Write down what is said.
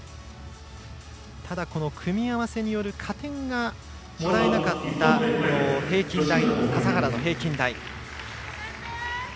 ただ、組み合わせによる加点がもらえなかった笠原の平均台。